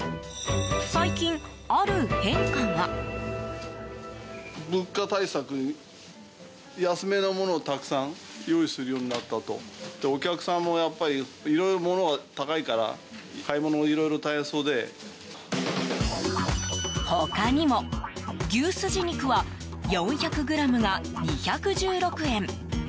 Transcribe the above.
最近、ある変化が。他にも牛スジ肉は４００ｇが２１６円。